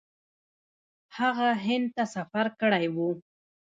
هغه هند ته سفر کړی و.